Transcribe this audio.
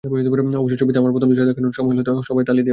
অবশ্য ছবিতে আমার প্রথম দৃশ্য দেখানোর সময় হলের সবাই তালি দিয়ে ওঠে।